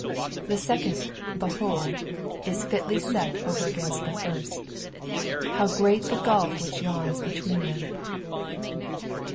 The second ''Behold" is fltlj set over against the first; how great the gulf which yawns between them!